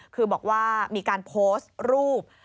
คือบอกว่ามีการโพสต์รูป